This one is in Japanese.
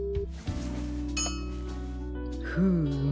フーム。